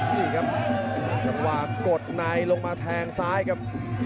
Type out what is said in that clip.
นี่ครับจังหวะกดในลงมาแทงซ้ายครับ